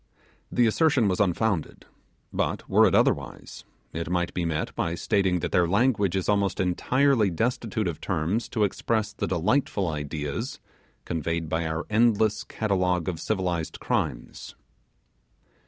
The assertion was unfounded; but were it otherwise, it might be met by stating that their language is almost entirely destitute of terms to express the delightful ideas conveyed by our endless catalogue of civilized crimes.